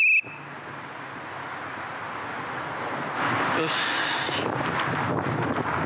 よし。